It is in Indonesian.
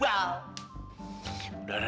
udah udah bokap bokap di maja deh